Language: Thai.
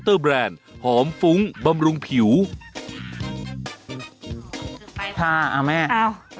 ทาอ่ะแม่